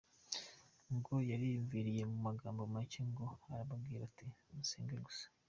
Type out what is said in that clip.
Ngo yariyumviriye mu magambo make ngo arababwira ati : “Musenge gusa”.